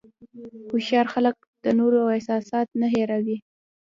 هوښیار خلک د نورو احساسات نه هیروي نه.